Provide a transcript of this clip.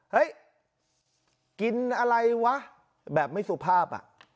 เฮ้ยกินอะไรวะแบบไม่สุภาพ